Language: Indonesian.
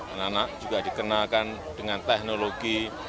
anak anak juga dikenalkan dengan teknologi